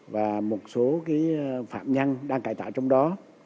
và một số phạm nhân đang cải tạo trong đó